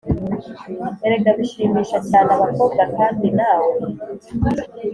erega bishimisha cyane abakobwa kandi nawe